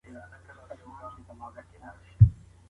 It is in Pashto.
موږ د شفتالو په خوړلو بوخت یو.